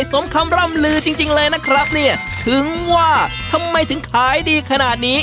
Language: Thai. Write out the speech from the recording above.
สมคำร่ำลือจริงจริงเลยนะครับเนี่ยถึงว่าทำไมถึงขายดีขนาดนี้